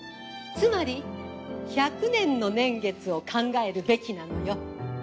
つまり１００年の年月を考えるべきなのよ。